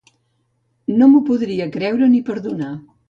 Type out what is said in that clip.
No m’ho podria creure ni perdonar.